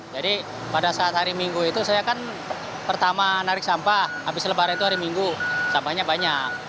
jadi pada saat hari minggu itu saya kan pertama narik sampah habis lebaran itu hari minggu sampahnya banyak